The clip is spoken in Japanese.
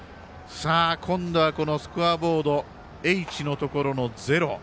今度は、スコアボードＨのところの「０」。